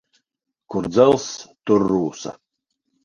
Kur dzelzs, tur rūsa.